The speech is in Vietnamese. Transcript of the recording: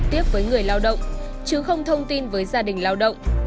tiếp với người lao động chứ không thông tin với gia đình lao động